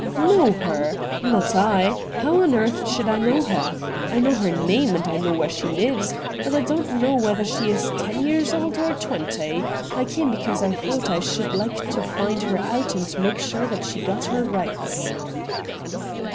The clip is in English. ' Know her ? Not I. How on earth should I know her ? I know her name and I know where she lives, but I don't know wliether she is ten years old or twenty. I came because I thought I should like to find AN INTERVIEW WITH MR, RATT GUNDY 241 her out and to make sure that she got her rights.'